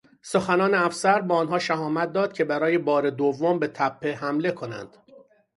سخنان افسر به آنهاشهامت داد که برای بار دوم به تپه حمله کنند.